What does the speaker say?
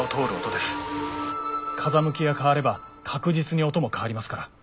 風向きが変われば確実に音も変わりますから。